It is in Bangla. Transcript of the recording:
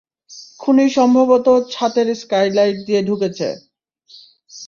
খুনী সম্ভবত ছাতের স্কাইলাইট দিয়ে ঢুকেছে।